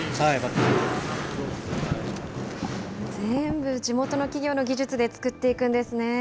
全部地元の企業の技術で作っていくんですね。